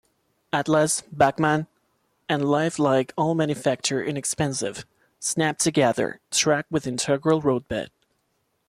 Atlas, Bachmann, and Life-Like all manufacture inexpensive, snap-together track with integral roadbed.